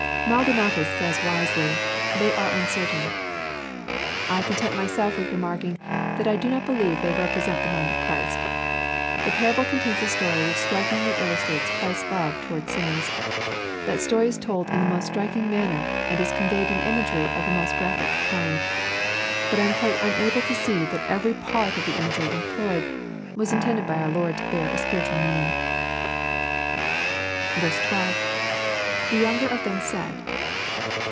Maldoiiatus says wisely, " they are uncertain,' 186 EXPOSITORY THOUGHTS. I content myself with remarking that I do not believe they repi resent the mind of Christ. The parable contains a story which strikingly illustrates Christ's love toward sinners. That story is told in the most striking manner, and is conveyed in imagery o^ the most graphic kind. But I am quite unable to see that every part of the imagery employed was intended by our Lord to bear a spiritual meaning. 12. — [The younger oftTiem said.